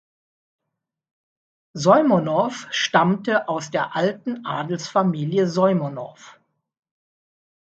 Soimonow stammte aus der alten Adelsfamilie Soimonow.